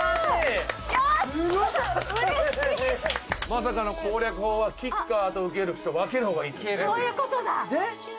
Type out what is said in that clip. まさかの攻略法はキッカーと受ける人分ける方がいいっていう事ですね。